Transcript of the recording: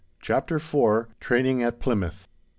CHAPTER IV. TRAINING AT PLYMOUTH.